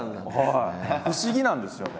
不思議なんですよね。